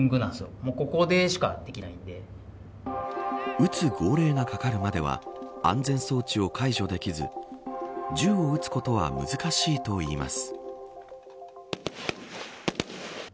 撃つ号令がかかるまでは安全装置を解除できず銃を撃つことは難しいといいます。